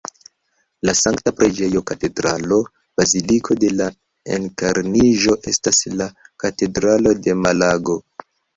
La Sankta Preĝejo Katedralo Baziliko de la Enkarniĝo estas la katedralo de Malago.